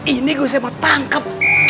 ini gue sama tangkep